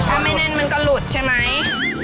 ถ้าไม่แน่นมันก็หลุดใช่ไหม